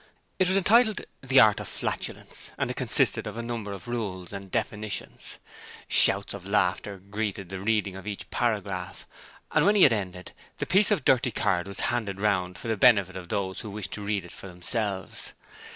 It was entitled 'The Art of Flatulence', and it consisted of a number of rules and definitions. Shouts of laughter greeted the reading of each paragraph, and when he had ended, the piece of dirty card was handed round for the benefit of those who wished to read it for themselves.